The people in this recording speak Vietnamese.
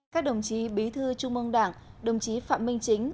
các đồng chí bí thư trung mương đảng đồng chí phạm minh chính